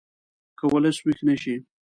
که ولس ویښ نه شي